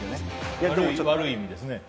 ・悪い意味ですね